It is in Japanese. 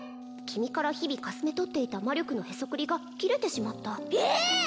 君から日々かすめ取っていた魔力のヘソクリが切れてしまったええっ